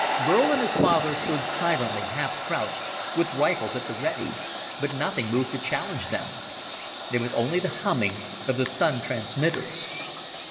Burl and his father stood silently, half crouched, with rifles at the ready, but nothing moved to challenge them. There was only the humming of the Sun transmitters.